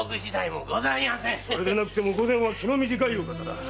それでなくても御前は気の短いお方だ。